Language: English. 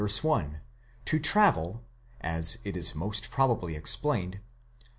1) to travel '(as it is most probably explained) !